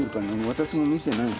私も見てない。